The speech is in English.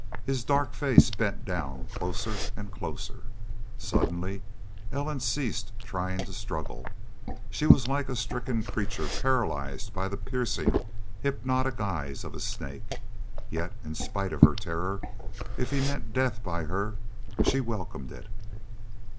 His dark face bent down closer and closer. Suddenly Ellen ceased trying to struggle. She was like a stricken creature paralyzed by the piercing, hypnotic eyes of a snake. Yet in spite of her terror, if he meant death by her, she welcomed it.